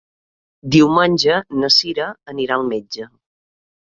Diumenge na Sira anirà al metge.